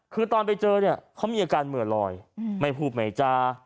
คือตอนไปเจอเนี่ยเขามีอาการเหมือนลอยไม่พูดไม่จา